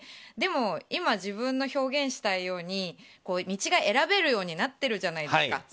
でも今、自分の表現したいように道が選べるようになってるじゃないですか。